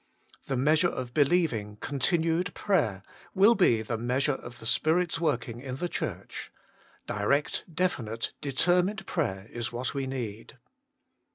The measure of believing, continued prayer will be the measure of the Spirit s working in the Church. Direct, definite, determined prayer is what we need.